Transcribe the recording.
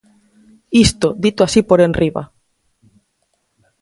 Isto dito así por enriba.